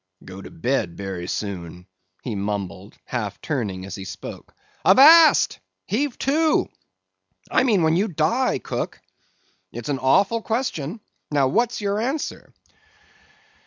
"Go to bed berry soon," he mumbled, half turning as he spoke. "Avast! heave to! I mean when you die, cook. It's an awful question. Now what's your answer?"